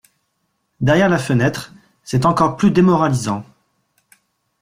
Derrière la fenêtre, c’est encore plus démoralisant.